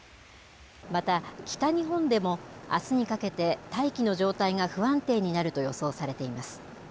また、北日本でもあすにかけて大気の状態が不安定になると予想されています。